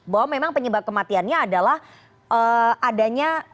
bahwa memang penyebab kematiannya adalah adanya